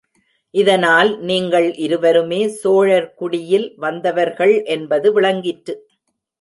இதனால் நீங்கள் இருவருமே சோழர் குடியில் வந்தவர் என்பது விளங்கிற்று.